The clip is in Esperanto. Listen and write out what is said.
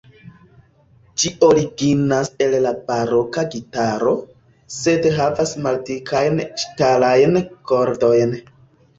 Ĝi originas el la baroka gitaro, sed havas maldikajn ŝtalajn kordojn.